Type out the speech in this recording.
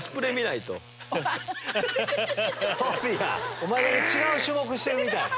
お前だけ違う種目してるみたい。